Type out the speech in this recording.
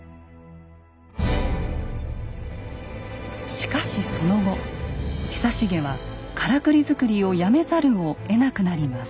しかしその後久重はからくり作りをやめざるをえなくなります。